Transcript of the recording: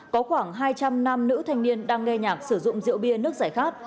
có khoảng hai trăm linh nam nữ thanh niên đang nghe nhạc sử dụng rượu bia nước giải khát